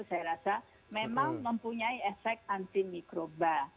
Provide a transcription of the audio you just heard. saya rasa memang mempunyai efek anti mikroba